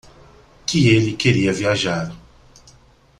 Que ele queria viajar.